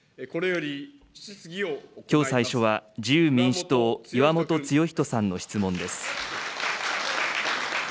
きょう最初は、自由民主党、岩本剛人さんの質問です。